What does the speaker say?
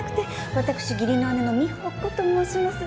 私義理の姉の美保子と申します。